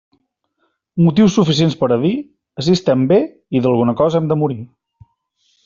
Motius suficients per a dir: ací estem bé i d'alguna cosa hem de morir.